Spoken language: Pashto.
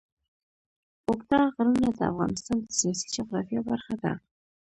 اوږده غرونه د افغانستان د سیاسي جغرافیه برخه ده.